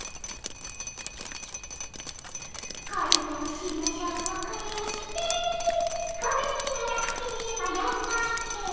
「恋をしましょう恋をして」「恋がなければ夜も明けぬ」